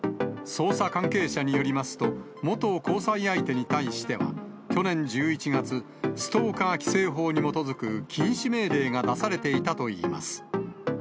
捜査関係者によりますと、元交際相手に対しては、去年１１月、ストーカー規制法に基づく禁止命令が出されていたといいます。